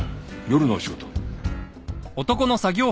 夜のお仕事？